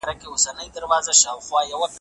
یو ځل په شامپو وریښتان پریولل بسنه کوي.